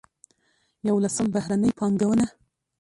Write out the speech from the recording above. یولسم: بهرنۍ پانګونه.